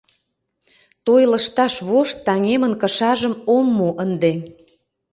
Той лышташ вошт таҥемын кышажым ом му ынде.